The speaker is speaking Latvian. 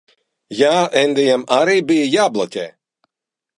Jā. Endijam arī bija jābloķē.